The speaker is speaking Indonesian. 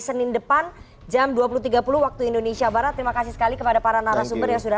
senin depan jam dua puluh tiga puluh waktu indonesia barat terima kasih sekali kepada para narasumber yang sudah